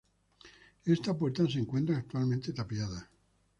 Esta puerta se encuentra actualmente tapiada.